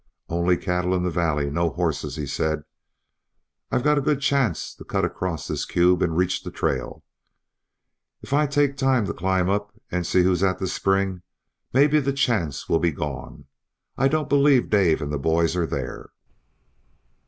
"Only cattle in the valley, no horses," he said. "I've a good chance to cut across this curve and reach the trail. If I take time to climb up and see who's at the spring maybe the chance will be gone. I don't believe Dave and the boys are there."